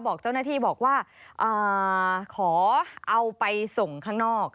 บอกเจ้าหน้าที่บอกว่าขอเอาไปส่งข้างนอก